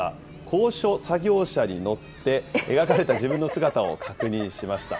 高所作業車に乗って、描かれた自分の姿を確認しました。